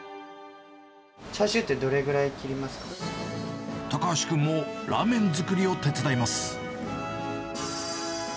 チャーシューってどれくらい高橋君もラーメン作りを手伝います。